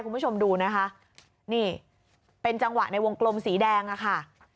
คุณผู้ชมดูนะคะนี่เป็นจังหวะในวงกลมสีแดงอะค่ะ